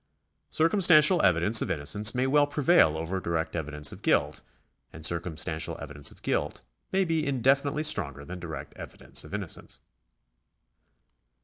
Circumstantial evidence of innocence may well prevail over direct evidence of guilt ; and circumstantial evidence of guilt may be indefinitely stronger than direct evidence of innocence.